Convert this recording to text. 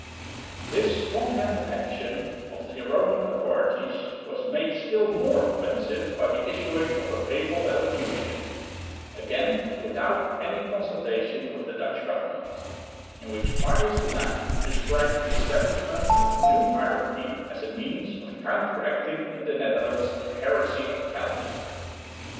This strong handed action of the Roman authorities was made still more offensive by the issuing of a papal allocution, again without any consultation with the Dutch government, in which Pius IX described the establishment of the new hierarchy as a means of counteracting in the Netherlands the heresy of Calvin.